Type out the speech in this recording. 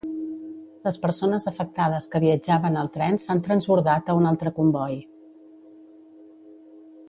Les persones afectades que viatjaven al tren s'han transbordat a un altre comboi.